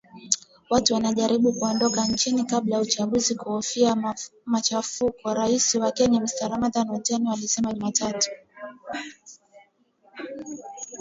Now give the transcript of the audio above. "Watu wanajaribu kuondoka nchini kabla ya uchaguzi wakiofia machafuko,” raia wa Kenya Mr Ramadan Otieno alisema Jumatatu